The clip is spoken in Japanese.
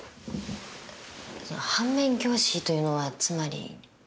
その反面教師というのはつまり。